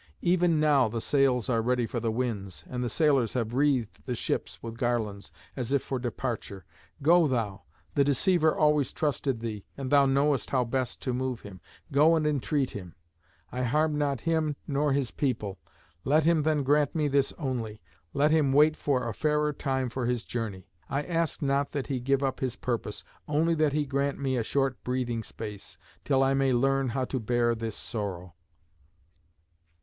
Even now the sails are ready for the winds, and the sailors have wreathed the ships with garlands, as if for departure. Go thou the deceiver always trusted thee, and thou knowest how best to move him go and entreat him. I harmed not him nor his people; let him then grant me this only. Let him wait for a fairer time for his journey. I ask not that he give up his purpose; only that he grant me a short breathing space, till I may learn how to bear this sorrow."